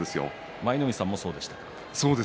舞の海さんもそうでしたか。